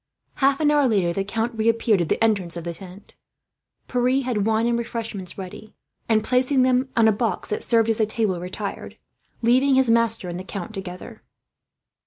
Half an hour later, the count reappeared at the entrance of the tent. Pierre had wine and refreshments ready and, placing them on a box that served as a table, retired; leaving his master and the count together.